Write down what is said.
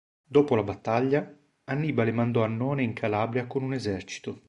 Dopo la battaglia, Annibale mandò Annone in Calabria con un esercito.